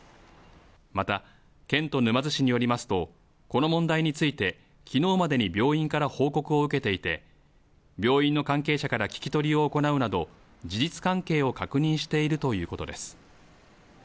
また県と沼津市によりますと、この問題について、きのうまでに病院から報告を受けていて、病院の関係者から聞き取りを行うなど、事実関係を確認しているということです。